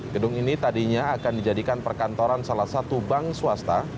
gedung ini tadinya akan dijadikan perkantoran salah satu bank swasta